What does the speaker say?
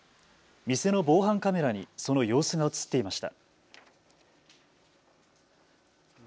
店の防犯カメラにその様子が映っていました。